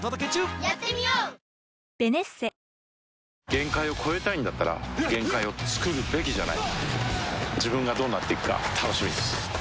限界を越えたいんだったら限界をつくるべきじゃない自分がどうなっていくか楽しみです